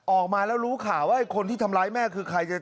ออกมาแล้วรู้ข่าวว่าไอ้คนที่ทำร้ายแม่คือใคร